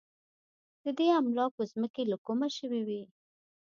د دې املاکو ځمکې له کومه شوې وې.